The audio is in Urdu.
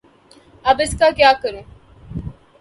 اب اس کا کیا کروں؟